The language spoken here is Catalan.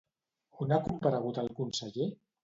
On ha comparegut el conseller?